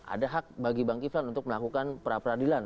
ada hak bagi bang kiflan untuk melakukan pra peradilan